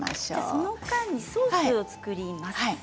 その間にソースを作ります。